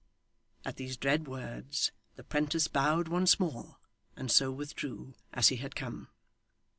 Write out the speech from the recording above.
At these dread words the 'prentice bowed once more, and so withdrew as he had come.